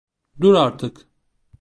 Dur artık!